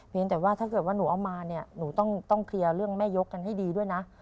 แต่ว่าถ้าเกิดว่าหนูเอามาเนี่ยหนูต้องเคลียร์เรื่องแม่ยกกันให้ดีด้วยนะ